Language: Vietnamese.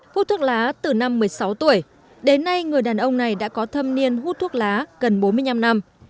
hút thuốc lá từ năm một mươi sáu tuổi đến nay người đàn ông này đã có thâm niên hút thuốc lá gần bốn mươi năm năm